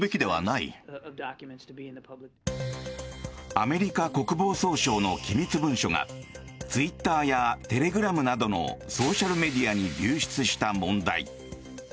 アメリカ国防総省の機密文書がツイッターやテレグラムなどのソーシャルメディアに流出した問題。